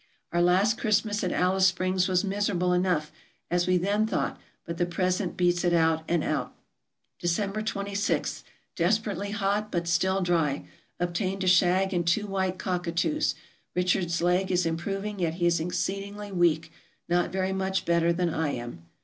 Our last Christmas at Alice Springs was miserable enough, as we then thought, but the present beats it out and out. December 26. — Desperately hot, but still dry. Obtained a shag and two white cockatoos. Richard's leg is improv ing, yet he is exceedingly week ; not very much better than I am.